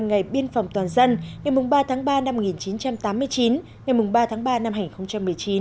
ngày biên phòng toàn dân ngày ba tháng ba năm một nghìn chín trăm tám mươi chín ngày ba tháng ba năm hai nghìn một mươi chín